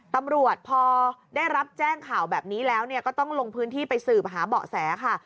ตำรวจพอได้รับแจ้งข่าวแบบนี้แล้วก็ต้องลงพื้นที่ไปสืบหาเบาะแสค่ะ